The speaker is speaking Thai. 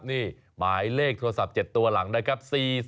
นี่หมายเลขโทรศัพท์๗ตัวหลังนะครับ